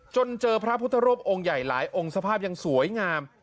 จนเจอพระพุทธรูปองค์ใหญ่หลายองค์สภาพยังสวยงาม